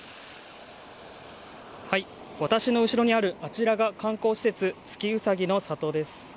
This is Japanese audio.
私の後ろにある、あちらが観光施設月うさぎの里です。